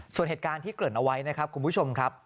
ส่วนเหตุการณ์ที่เกิดเอาไว้นะครับคุณผู้ชมครับ